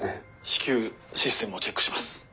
至急システムをチェックします。